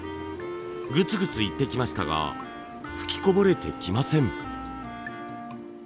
グツグツいってきましたが噴きこぼれてきません。